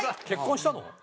結婚したの？